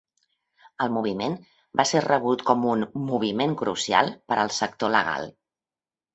El moviment va ser rebut com un "moviment crucial" per al sector legal.